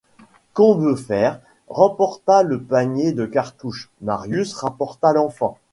Combeferre rapporta le panier de cartouches ; Marius rapporta l’enfant.